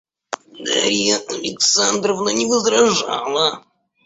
Дарья Александровна не возражала.